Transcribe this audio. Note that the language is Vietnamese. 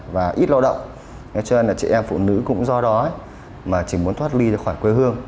và ít lao động cho nên là chị em phụ nữ cũng do đó mà chỉ muốn thoát ly ra khỏi quê hương